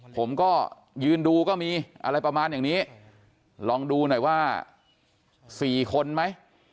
ผมก็ยืนดูก็มีอะไรประมาณอย่างนี้ลองดูหน่อยว่า๔คนไหม